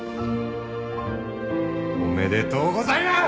おめでとうございまーす！